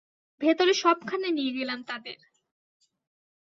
ভেতরে সবখানে নিয়ে গেলাম তাদের।